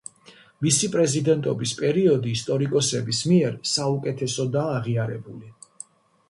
მისი პრეზიდენტობის პერიოდი, ისტორიკოსების მიერ საუკეთესოდაა აღიარებული.